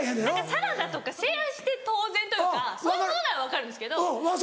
サラダとかシェアして当然というかそういうものなら分かるんですけど。